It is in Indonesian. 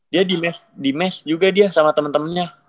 dia di mes juga dia sama temen temennya